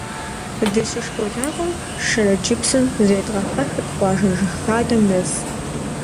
Дыщышколакӏуэм Шэрэджыпсым зредгъэхьэхырт къуажэ жыгхадэм нэс.